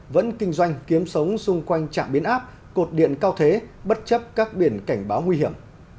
vẫn kinh doanh kiếm sống xung quanh trạm biến áp cột điện cao thế bất chấp các biển cảnh báo nguy hiểm